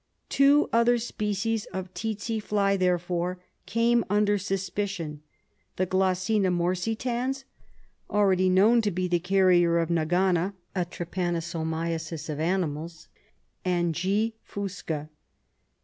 Two other species of tsetse fly, therefore, came under suspicion, the G. morsitans , already known to be the carrier of nag ana, a trypanosomiasis of animals, and the G. fusca.